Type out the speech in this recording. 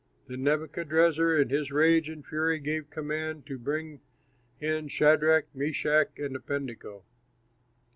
Then Nebuchadrezzar in his rage and fury gave command to bring in Shadrach, Meshach, and Abednego.